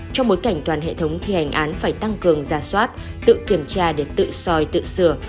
trong bối cảnh toàn hệ thống thi hành án phải tăng cường gia soát tự kiểm tra để tự soi tự sửa